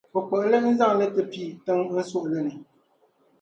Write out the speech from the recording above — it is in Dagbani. n kpuɣ’ li n-zaŋ li ti pi tiŋa n suɣili ni.